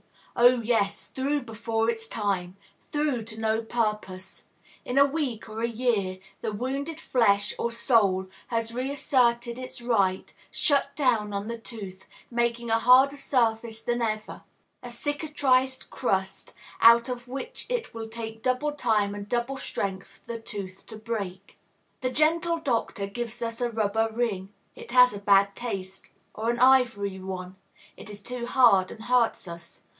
Oh, yes; through before its time. Through to no purpose. In a week, or a year, the wounded flesh, or soul, has reasserted its right, shut down on the tooth, making a harder surface than ever, a cicatrized crust, out of which it will take double time and double strength for the tooth to break. The gentle doctor gives us a rubber ring, it has a bad taste; or an ivory one, it is too hard and hurts us.